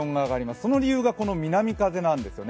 その理由がこの南風なんですよね。